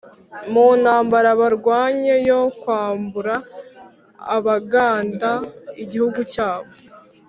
mu ntambara barwanye yo kwambura Abaganda igihugu cyabo.